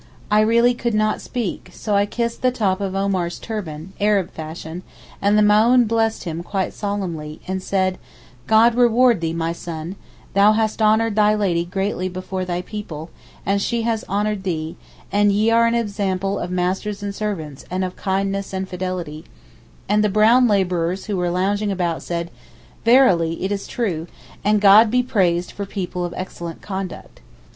I really could not speak, so I kissed the top of Omar's turban, Arab fashion, and the Maōhn blessed him quite solemnly, and said: 'God reward thee, my son; thou hast honoured thy lady greatly before thy people, and she has honoured thee, and ye are an example of masters and servants, and of kindness and fidelity;' and the brown labourers who were lounging about said: 'Verily, it is true, and God be praised for people of excellent conduct.